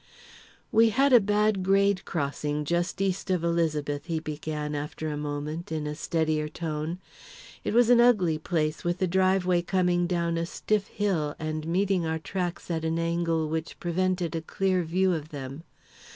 "We had a bad grade crossing just east of Elizabeth," he began, after a moment, in a steadier tone. "It was an ugly place, with the driveway coming down a stiff hill and meeting our tracks at an angle which prevented a clear view of them.